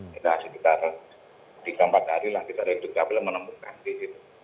kita hasil kita tiga empat hari lah kita dari duk jabel menemukan di situ